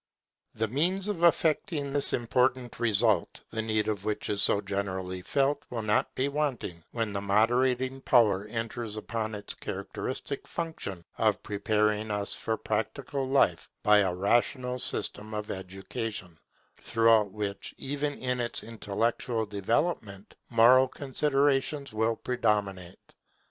The means of effecting this important result, the need of which is so generally felt, will not be wanting, when the moderating power enters upon its characteristic function of preparing us for practical life by a rational system of education, throughout which, even in its intellectual department, moral considerations will predominate.